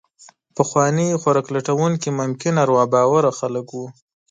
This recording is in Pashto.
پخواني خوراک لټونکي ممکن اروا باوره خلک وو.